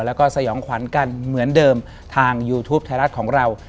แล้วก็สยองขวัญกันเหมือนเดิมทางยูทูปไทยรัฐของเรา